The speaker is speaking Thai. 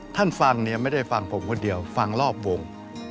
ท่านฟังเนี่ยไม่ได้ฟังผมคนเดียวฟังรอบวง